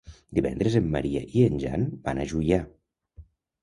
Divendres en Maria i en Jan van a Juià.